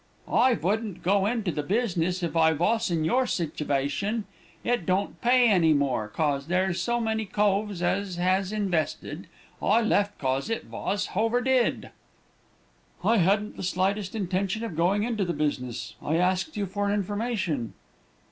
"'I vouldn't go into the business if I vos in your sitivation. It don't pay any more, 'cause there's so many coves as has inwested. I left 'cause it vos hoverdid.' "'I hadn't the slightest intention of going into the business. I asked you for information.'